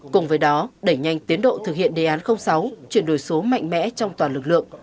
cùng với đó đẩy nhanh tiến độ thực hiện đề án sáu chuyển đổi số mạnh mẽ trong toàn lực lượng